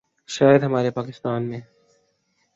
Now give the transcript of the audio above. شاید ہمارے پاکستان میں